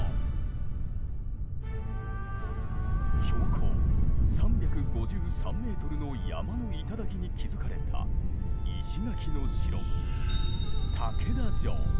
標高３５３メートルの山の頂に築かれた石垣の城